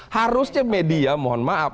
harusnya media mohon maaf